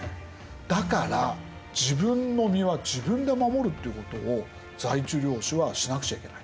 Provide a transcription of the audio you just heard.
だから自分の身は自分で守るっていうことを在地領主はしなくちゃいけない。